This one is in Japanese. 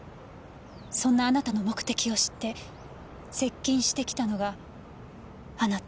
そんなあなたの目的を知って接近してきたのがあなた。